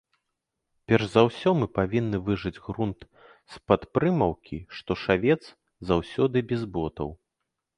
Перш за ўсё мы павінны выжыць грунт з-пад прымаўкі, што шавец заўсёды без ботаў.